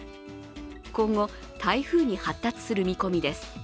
今後、台風に発達する見込みです。